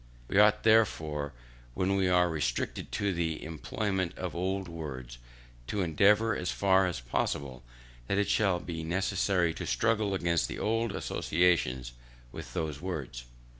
We ought further, when we are restricted to the employment of old words, to endeavour as far as possible that it shall not be necessary to struggle against the old associations with those words.